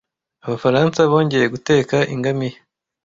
Abafaransa bongeye guteka Ingamiya